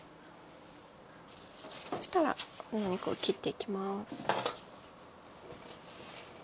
そしたらこのお肉を切っていきます。